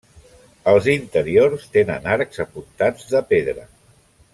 Els interiors tenen arcs apuntats de pedra.